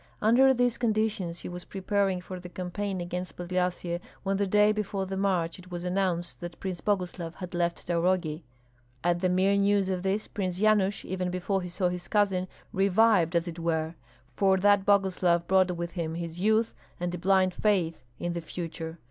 Under these conditions he was preparing for the campaign against Podlyasye, when the day before the march it was announced that Prince Boguslav had left Taurogi. At the mere news of this, Prince Yanush, even before he saw his cousin, revived as it were; for that Boguslav brought with him his youth and a blind faith in the future.